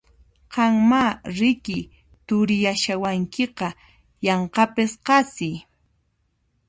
Qanmá riki turiyashawankiqa yanqapis qasi!